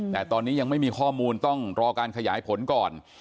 แต่ตอนนี้ยังไม่มีข้อมูลต้องรอการขยายผลก่อน